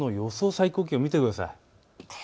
最高気温を見てください。